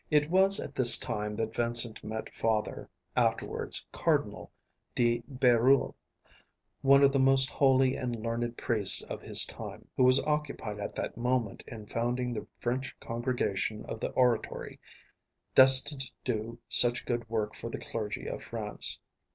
It was at this time that Vincent met Father afterwards Cardinal de Bérulle, one of the most holy and learned priests of his time, who was occupied at that moment in founding the French Congregation of the Oratory, destined to do such good work for the clergy of France.